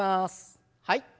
はい。